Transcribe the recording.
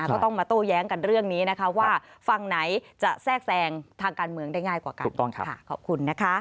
ก็ต้องมาโต้แย้งกันเรื่องนี้นะคะว่าฝั่งไหนจะแทรกแทรงทางการเมืองได้ง่ายกว่ากันนะคะ